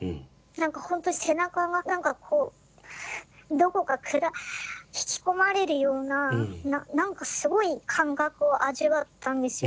何かほんとに背中が何かこうどこか暗引き込まれるような何かすごい感覚を味わったんですよ。